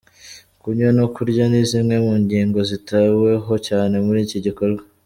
Kunywa no kurya ni zimwe mu ngingo zitaweho cyane muri iki gikorwa.